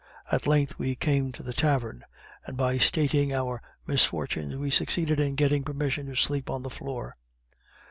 At length we came to the tavern, and by stating our misfortunes we succeeded in gaining permission to sleep on the floor.